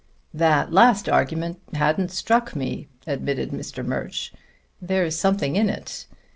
"That last argument hadn't struck me," admitted Mr. Murch. "There's something in it.